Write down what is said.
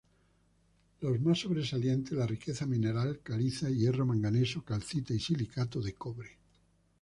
Los más sobresalientes, la riqueza mineral: caliza, hierro, manganeso, calcita y silicato de cobre.